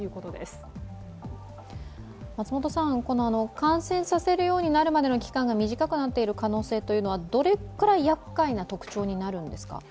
感染させるようになるまでの期間が短くなっている可能性というのは、どれくらいやっかいな特徴になるんですか？